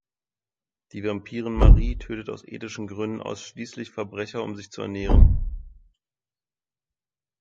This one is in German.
Die Vampirin Marie tötet aus ethischen Gründen ausschließlich Verbrecher, um sich zu ernähren.